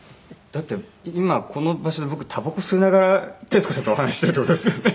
だって今この場所で僕たばこ吸いながら徹子さんとお話ししているっていう事ですよね？